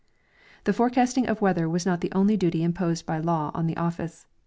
The forecasting of weather was not the only duty im2:)osed liy law on the ofiice.